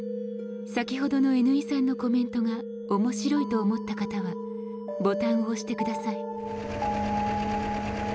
先ほどのＮ井さんのコメントが面白いと思った方はボタンを押して下さい。